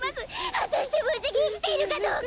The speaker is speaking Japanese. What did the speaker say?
はたしてぶじにいきているかどうか。